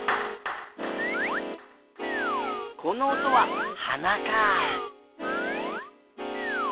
このおとははなか。